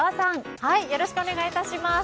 よろしくお願いします。